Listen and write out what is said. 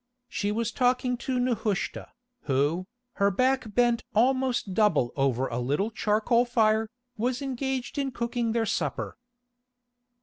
She was talking to Nehushta, who, her back bent almost double over a little charcoal fire, was engaged in cooking their supper.